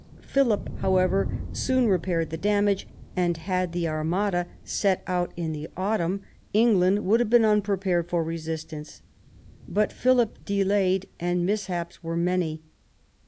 Philip, however, soon repaired the damage, and, had the Armada set out in the autumn, England would have been unprepared for resistance. But Philip delayed, and mishaps were many.